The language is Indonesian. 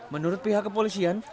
menurut pihak kepolisian